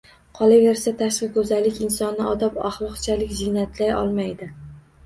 Qolaversa, tashqi go‘zallik insonni odob-axloqchalik ziynatlay olmaydi.